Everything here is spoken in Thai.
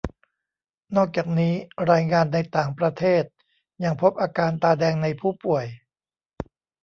นอกจากนี้รายงานในต่างประเทศยังพบอาการตาแดงในผู้ป่วย